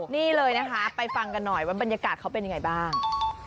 นี่เลยนะคะไปฟังกันหน่อยว่าบรรยากาศเขาเป็นยังไงบ้าง